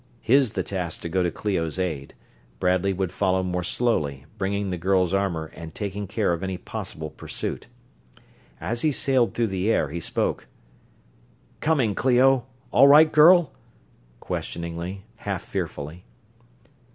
His the task to go to Clio's aid.... Bradley would follow more slowly, bringing the girl's armor and taking care of any possible pursuit. As he sailed through the air he spoke. "Coming, Clio! All right, girl?" Questioningly, half fearfully.